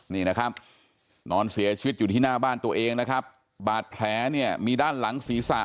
นี่นะครับนอนเสียชีวิตอยู่ที่หน้าบ้านตัวเองนะครับบาดแผลเนี่ยมีด้านหลังศีรษะ